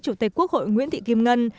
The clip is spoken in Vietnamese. chủ tịch quốc hội nguyễn thị kim ngân